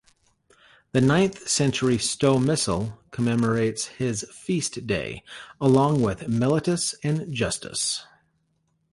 The ninth century Stowe Missal commemorates his feast day, along with Mellitus and Justus.